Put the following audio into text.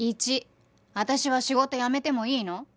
１私は仕事辞めてもいいの？